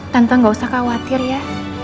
tante gak usah khawatir ya